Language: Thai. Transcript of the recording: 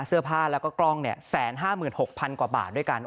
เสื้อผ้าแล้วก็กล้องเนี้ยแสนห้าหมื่นหกพันกว่าบาทด้วยกัน